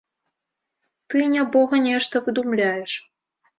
Ты, нябога, нешта выдумляеш.